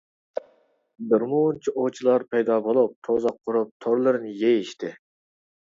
بىرمۇنچە ئوۋچىلار پەيدا بولۇپ، تۇزاق قۇرۇپ، تورلىرىنى يېيىشتى.